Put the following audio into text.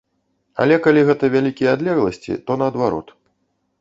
Але калі гэта вялікія адлегласці, то наадварот.